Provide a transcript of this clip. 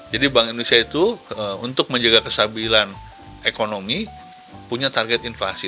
jadi bank indonesia itu untuk menjaga kesabilan ekonomi punya target inflasi